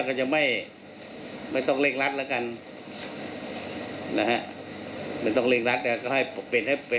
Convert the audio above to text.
ก็จะไม่ไม่ต้องเร่งรัดแล้วกันนะฮะไม่ต้องเร่งรัดนะฮะก็ให้เป็นให้เป็น